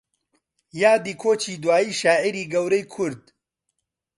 یادی کۆچی داوی شاعیری گەورەی کورد